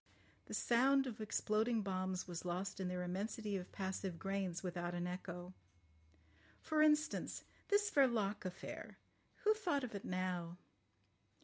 The sound of exploding bombs was lost in their immensity of passive grains without an echo. For instance, this Verloc affair. Who thought of it now?